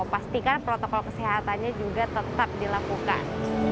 pastikan protokol kesehatannya juga tetap dilakukan